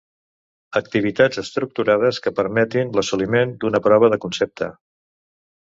Activitats estructurades que permetin l'assoliment d'una prova de concepte.